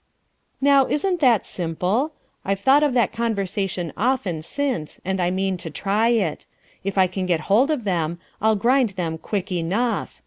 Now isn't that simple? I've thought of that conversation often since and I mean to try it. If I can get hold of them, I'll grind them quick enough.